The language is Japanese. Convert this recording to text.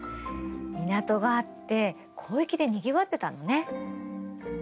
港があって交易でにぎわってたのね。